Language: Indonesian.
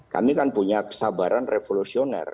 kami kan punya kesabaran revolusioner